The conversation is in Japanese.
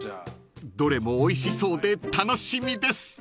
［どれもおいしそうで楽しみです］